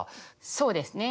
そうですね。